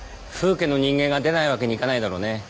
フウ家の人間が出ないわけにいかないだろうね。